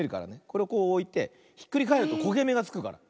これをこうおいてひっくりかえるとこげめがつくから。